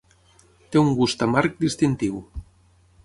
Té un gust amarg distintiu.